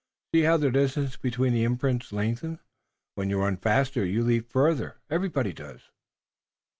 See, how the distance between the imprints lengthens! When you run faster you leap farther. Everybody does."